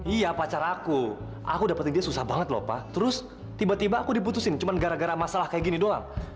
iya pacar aku aku dapetin dia susah banget loh pak terus tiba tiba aku diputusin cuma gara gara masalah kayak gini doang